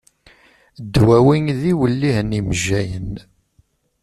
Ddwawi d iwellihen n yimejjayen.